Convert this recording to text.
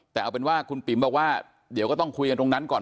แต่เอาเป็นว่าคุณปิ๋มบอกว่าเดี๋ยวก็ต้องคุยกันตรงนั้นก่อน